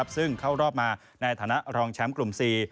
ซึ่งเข้ารอบมาในฐานะรองแชมป์กลุ่ม๔